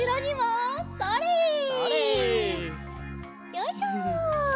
よいしょ。